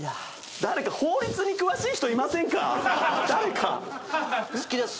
誰か法律に詳しい人いませんか⁉好きです。